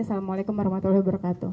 assalamualaikum wr wb